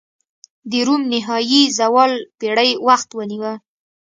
د روم نهايي زوال پېړۍ وخت ونیوه.